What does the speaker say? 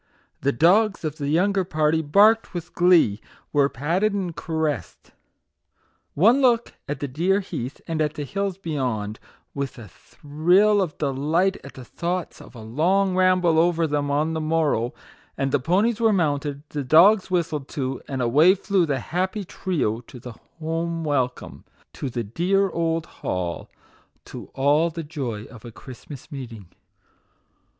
The dogs of the younger party barked with glee were patted and caressed. One look at the dear heath and at the hills beyond, with a thrill of delight at the thoughts of a long ramble over them on the morrow, and the ponies were mounted, the dogs whistled to, and away flew the happy trio to the home welcome, to the dear old hall, to all the joy of a Christmas meeting.